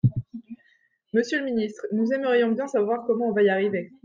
Monsieur le ministre, nous aimerions bien savoir comment on va y arriver.